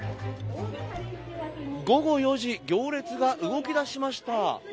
午後４時行列が動き出しました。